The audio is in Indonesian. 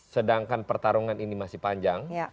sedangkan pertarungan ini masih panjang